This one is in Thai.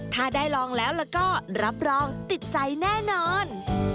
ถ้าได้ลองแล้วแล้วก็รับรองติดใจแน่นอน